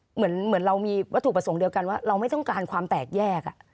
เหมือนเรามีวัตถุประสงค์เดียวกันว่าเราไม่ต้องการความแตกแยก